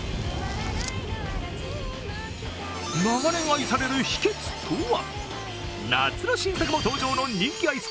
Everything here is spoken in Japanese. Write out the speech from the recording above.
長年愛される秘けつとは？